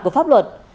của pháp luật